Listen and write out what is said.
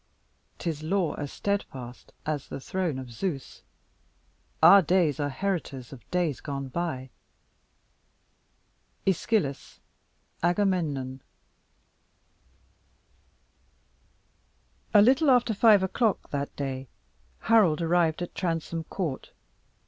'Tis law as steadfast as the throne of Zeus Our days are heritors of days gone by. ÆSCHYLUS: Agamemnon. A little after five o'clock that day, Harold arrived at Transome Court.